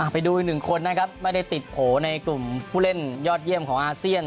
ไปดูอีกหนึ่งคนนะครับไม่ได้ติดโผล่ในกลุ่มผู้เล่นยอดเยี่ยมของอาเซียน